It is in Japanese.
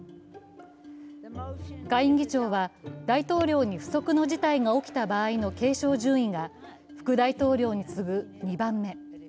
下院議長は大統領に不測の事態が起きた場合の継承順位が副大統領に次ぐ２番目。